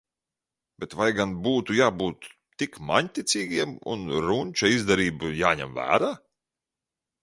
Bet vai gan būtu jābūt tik māņticīgiem, un runča izdarība jāņem vērā?